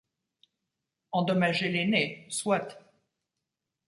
Endommagez les nez, soit.